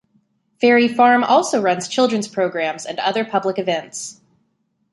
Ferry Farm also runs children's programs and other public events.